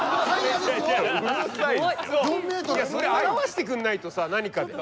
それ表してくんないとさ何かで。